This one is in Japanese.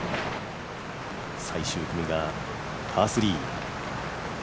最終組が、パー３。